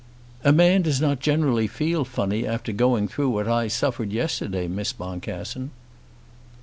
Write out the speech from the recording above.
"A man does not generally feel funny after going through what I suffered yesterday, Miss Boncassen."